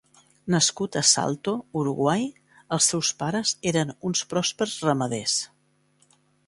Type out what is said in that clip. Nascut a Salto, Uruguai, els seus pares eren uns pròspers ramaders.